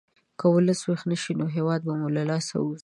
که ولس ویښ نه شي، نو هېواد به مو له لاسه ووځي.